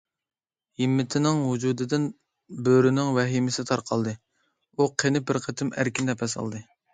ھىمىتنىڭ ۋۇجۇدىدىن بۆرىنىڭ ۋەھىمىسى تارقالدى، ئۇ قېنىپ بىر قېتىم ئەركىن نەپەس ئالدى.